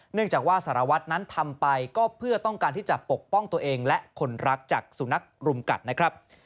เนื่องจากว่าสารวัตรนั้นทำไปก็เพื่อต้องการที่จะปกป้องตัวเองและคนรักจากสุนัขรุมกัดนะครับ